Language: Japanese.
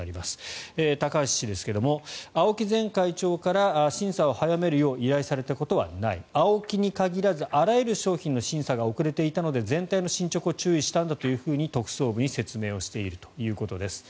高橋氏ですが、青木前会長から審査を早めるよう依頼されたことはないＡＯＫＩに限らずあらゆる商品の審査が遅れていたので全体の進ちょくを注意したんだと特捜部に説明しているということです。